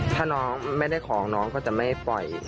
ถ้าน้องไม่ได้ของน้องก็จะไม่ปล่อย